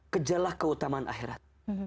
kejalah keutamaan akhirat